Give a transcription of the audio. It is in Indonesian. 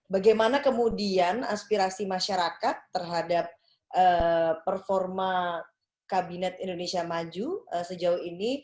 bagaimana kemudian aspirasi masyarakat terhadap performa kabinet indonesia maju sejauh ini